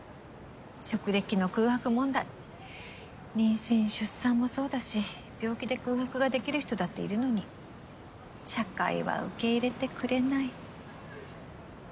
職歴の空白問題妊娠出産もそうだし病気で空白が出来る人だっているのに社会は受け入れてくれない。